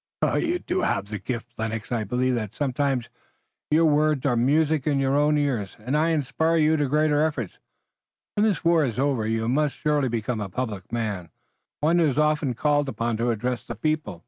"You do have the gift, Lennox. I believe that sometimes your words are music in your own ears, and inspire you to greater efforts. When the war is over you must surely become a public man one who is often called upon to address the people."